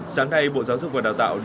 sáng nay bộ giáo dục và đào tạo